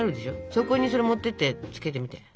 そこにそれ持ってってつけてみて。